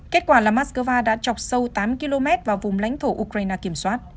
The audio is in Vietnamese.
kết quả là moscow đã chọc sâu tám km vào vùng lãnh thổ ukraine kiểm soát